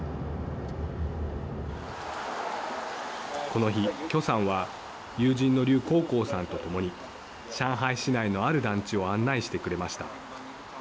この日、許さんは友人の劉宏光さんとともに上海市内のある団地を案内してくれました。